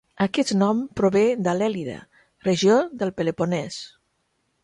Aquest nom prové de l'Èlide, regió del Peloponès.